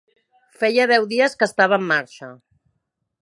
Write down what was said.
Feia deu dies que estava en marxa.